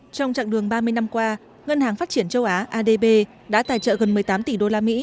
trong chặng đường ba mươi năm qua ngân hàng phát triển châu á adb đã tài trợ gần một mươi tám tỷ usd